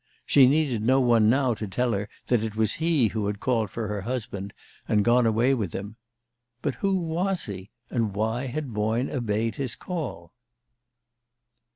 She needed no one now to tell her that it was he who had called for her husband and gone away with him. But who was he, and why had Boyne obeyed his call?